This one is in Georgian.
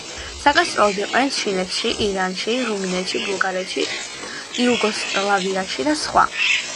საგასტროლოდ იყვნენ ჩინეთში, ირანში, რუმინეთში, ბულგარეთში, იუგოსლავიაში და სხვა.